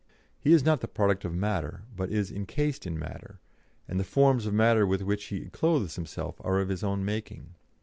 He is not the product of matter, but is encased in matter, and the forms of matter with which he clothes himself are of his own making.